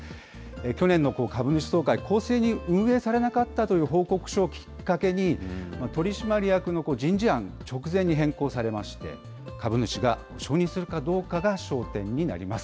去年の株主総会、公正に運営されなかったという報告書をきっかけに、取締役の人事案、直前に変更されまして、株主が承認するかどうかが焦点になります。